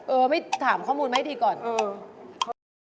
เออถามข้อมูลให้ดีก่อนเออ